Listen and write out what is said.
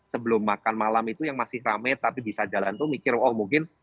sebelum makan malam itu yang masih rame tapi bisa jalan tuh mikir oh mungkin